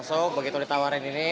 so begitu ditawarin ini